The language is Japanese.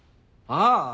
ああ。